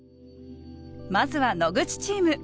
まずは野口チーム。